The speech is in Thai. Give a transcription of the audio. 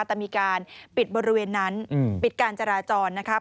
แต่มีการปิดบริเวณนั้นปิดการจราจรนะครับ